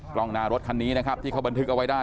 กล้องหน้ารถคันนี้นะครับที่เขาบันทึกเอาไว้ได้